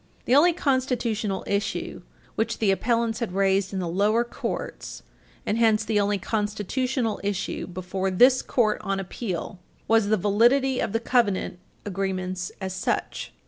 [Footnote 5] The only constitutional issue which the appellants had raised in the lower courts, and hence the only constitutional issue Page 334 U. S. 9 before this Court on appeal, was the validity of the covenant agreements as such.